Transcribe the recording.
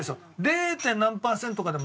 ０．何パーセントとかでも。